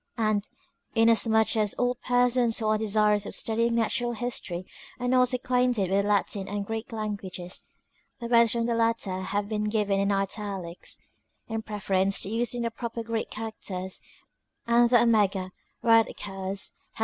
And, in as much as all persons who are desirous of studying Natural History, are not acquainted with the Latin and Greek languages, the words from the latter have been given in italie$t in preference to using the proper Greek characters, and the omega, where it occurs, has